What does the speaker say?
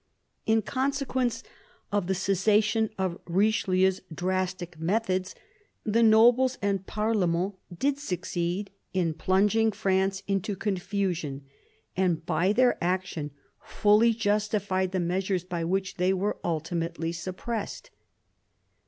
In consequence of the 6 MAZARIN CHAP. cessation of Richelieu's drastic methods the nobles and parlement did succeed in plunging France into confusion, and by their action fully justified the measures by which they were ultimately suppressed.